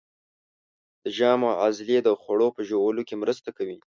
د ژامو عضلې د خوړو په ژوولو کې مرسته کوي.